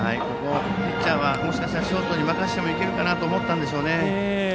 ここピッチャーもしかしたらショートに任せてもいけるかなと思ったんでしょうね。